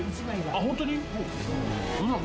あっホントに？